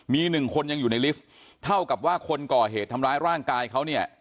มีหนึ่งคนยังอยู่ในลิฟต์เท่ากับว่าคนก่อเหตุทำร้ายร่างกายเขาเนี่ย